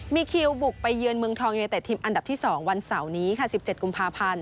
มีคิวบุกไปเยือนเมืองทองยูเนเต็ดทีมอันดับที่๒วันเสาร์นี้ค่ะ๑๗กุมภาพันธ์